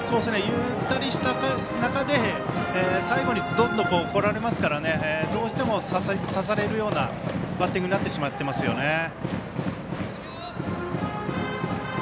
ゆったりした中で最後にズドンとこられますからどうしても差されるようなバッティングになってしまってますよね。